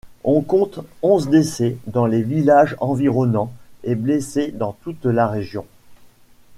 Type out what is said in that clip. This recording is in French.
On compte onze décès dans les villages environnants et blessés dans toute la région.